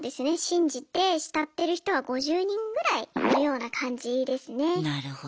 信じて慕ってる人は５０人ぐらいいるような感じですね。